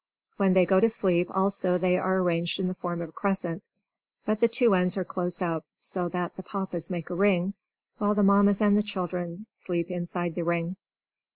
When they go to sleep also they are arranged in the form of a crescent; but the two ends are closed up, so that the Papas make a ring, while the Mammas and the children sleep inside the ring.